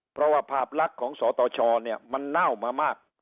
เพราะว่าภาพลักษณ์ของสตชเนี่ยมันเน่ามามาก